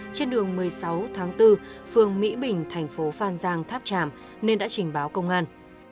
trên đường một mươi sáu tháng bốn phường mỹ bình thành phố phan giang tháp tràm nên đã trình báo công an